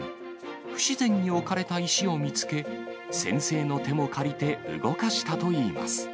不自然に置かれた石を見つけ、先生の手も借りて動かしたといいます。